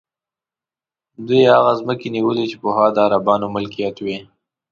دوی هغه ځمکې نیولي چې پخوا د عربانو ملکیت وې.